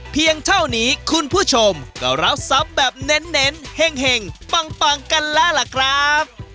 เพียงเท่านี้คุณผู้ชมก็รับทรัพย์แบบเน้นแห่งปังกันแล้วล่ะครับ